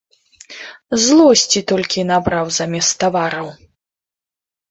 Злосці толькі і набраў замест тавараў.